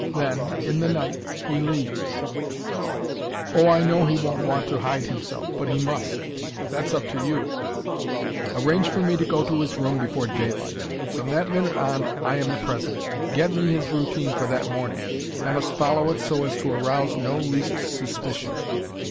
Then, in the night, he leaves "Oh, I know he won't want to hide himself, but he must. That's up to you. "Arrange for me to go to his room before daylight. From that minute on I am the President. Get me his routine for that morning; I must follow it so as to arouse no least suspicion."